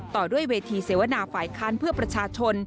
ต่อด้วยเวทีเสวนาฝ่ายค้านเพื่อประชาชน